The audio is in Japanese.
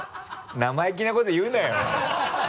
生意気なこと言うなよ。